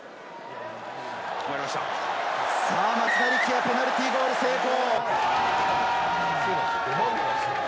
松田力也、ペナルティーゴール成功。